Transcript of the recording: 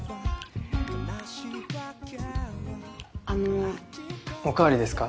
あの。おかわりですか？